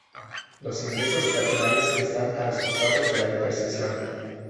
Los ingresos peatonales están a los costados de la intersección.